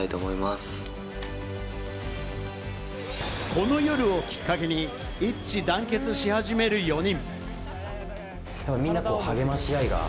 この夜をきっかけに一致団結し始める４人。